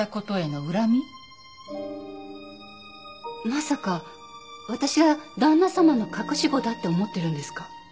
まさか私が旦那様の隠し子だって思ってるんですか？